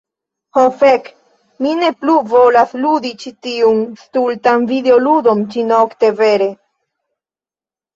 Ho fek, mi ne plu volas ludi ĉi tiun stultan videoludon ĉi-nokte. Vere.